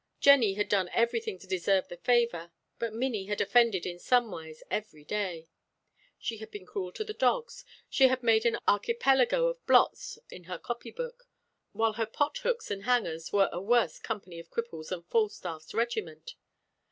Jennie had done everything to deserve the favour; but Minnie had offended in somewise every day. She had been cruel to the dogs she had made an archipelago of blots in her copybook, while her pothooks and hangers were a worse company of cripples than Falstaff's regiment.